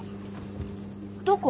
どこ？